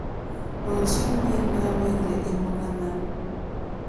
Òrzìɲɛ́ ná hwɛ́lɛ̀ èmólánà.